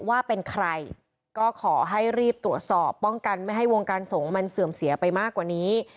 ว่าเป็นใครก็ขอให้รีบตรวจสอบป้องกันไม่ให้วงการสงฆ์มันเสื่อมเสียไปมากกว่านี้